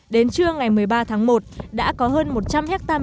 đến trưa ngày một mươi ba tháng một đã có hơn một trăm linh hectare lúa